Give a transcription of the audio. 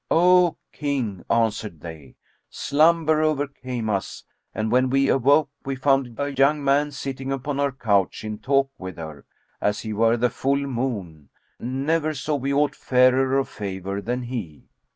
"O King," answered they, "slumber overcame us and, when we awoke, we found a young man sitting upon her couch in talk with her, as he were the full moon; never saw we aught fairer of favour than he.